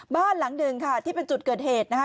บ้านหลังหนึ่งค่ะที่เป็นจุดเกิดเหตุนะคะ